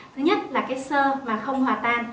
thứ nhất là cái sơ mà không hòa tan